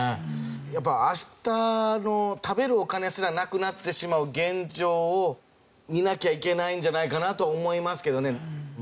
やっぱ明日の食べるお金すらなくなってしまう現状を見なきゃいけないんじゃないかなと思いますけどね。